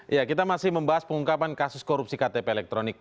ya kita masih membahas pengungkapan kasus korupsi ktp elektronik